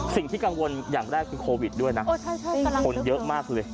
สิ่งที่กังวลอย่างแรกคือโควิดด้วยนะโอ้ใช่ใช่กำลังคนเยอะมากเลย